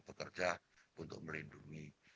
bekerja untuk melindungi